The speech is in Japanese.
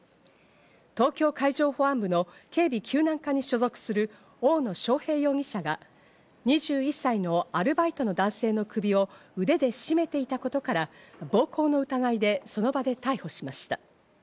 東京海上保安部の警備救難課に所属する大野将平容疑者が２１歳のアルバイトの男性の首を腕で絞めていたことから、暴行の疑いでその場で逮捕しました。